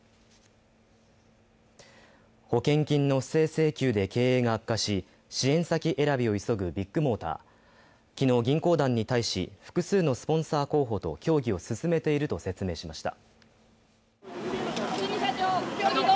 保険金の不正請求で経営が悪化し支援先選びを急ぐビッグモーター、昨日、銀行団に対し複数のスポンサー候補と協議を進めていると説明しました。